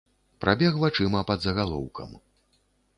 Прабег вачыма пад загалоўкам.